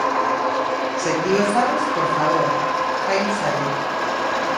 Se ti o sabes, por favor, fainos saír.